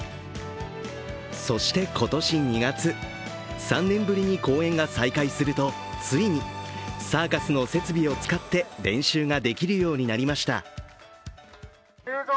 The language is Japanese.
そして、今年２月３年ぶりに公演が再開するとついにサーカスの設備を使って練習ができるようになりました。